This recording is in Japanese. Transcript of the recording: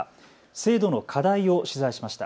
制度の課題を取材しました。